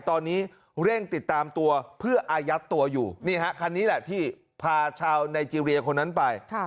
ตอนนี้เร่งติดตามตัวเพื่ออายัดตัวอยู่นี่ฮะคันนี้แหละที่พาชาวไนเจรียคนนั้นไป